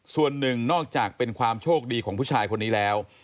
ส่วนหนึ่งนอกจากเป็นความโชคดีของผู้ชายคนนี้แล้ว